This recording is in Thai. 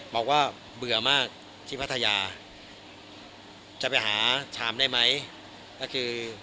บอกว่าเบื่อมากที่พัทยาจะไปหาชามได้ไหมก็คือ